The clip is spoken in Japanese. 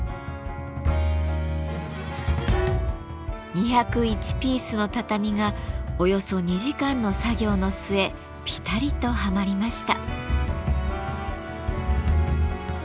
２０１ピースの畳がおよそ２時間の作業の末ぴたりとはまりました。